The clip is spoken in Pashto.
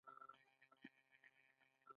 حیوانات په عمومي ډول په دوو لویو ډلو ویشل شوي دي